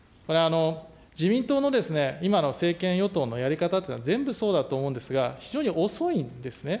自民党の、今の政権与党のやり方というのは、全部そうだと思うんですが、非常に遅いんですね。